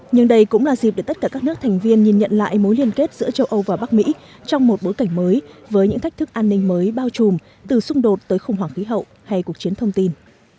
nhưng đây cũng là dịp để tất cả các nước thành viên nhìn nhận lại mối liên kết giữa châu âu và bắc mỹ trong một bối cảnh mới với những thách thức an ninh mới bao trùm từ xung đột tới khủng hoảng khí hậu hay cuộc chiến thông tin